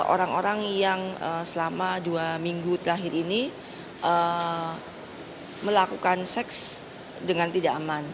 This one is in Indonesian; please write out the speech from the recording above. orang orang yang selama dua minggu terakhir ini melakukan seks dengan tidak aman